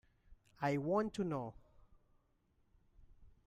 I want to know.